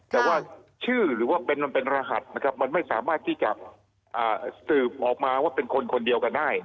แต่ว่าชื่อหรือว่าเป็นมันเป็นรหัสมันไม่สามารถที่จะสืบออกมาว่าเป็นคนคนเดียวกันได้